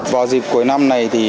vào dịp cuối năm này